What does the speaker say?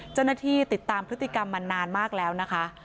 เจ้าหน้าที่ติดตามพฤติกรรมมานานมากแล้วนะคะ